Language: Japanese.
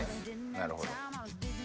なるほど。